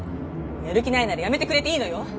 やる気ないなら辞めてくれていいのよ。